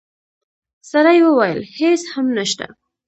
سړی وویل: هیڅ هم نشته.